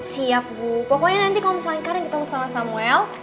siap bu pokoknya nanti kalau misalnya karin ketemu sama samuel